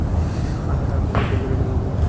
আহা, তা তো হতেই পারে।